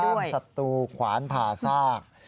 ปากซาบสัตว์ถูหวานหรือผ่าซาก